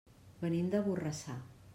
Venim de Borrassà.